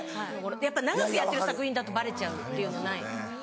やっぱ長くやってる作品だとバレちゃうっていうのない？